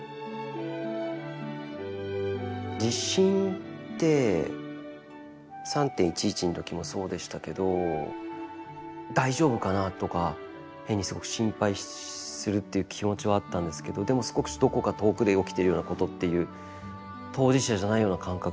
地震って３．１１の時もそうでしたけど「大丈夫かな？」とか変にすごく心配するっていう気持ちはあったんですけどでも少しどこか遠くで起きているようなことっていう当事者じゃないような感覚があって。